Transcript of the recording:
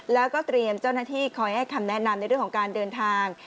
แล้วก็เตรียมเจ้าหน้าที่คอยให้คำแนะนำในเรื่องของการเดินทาง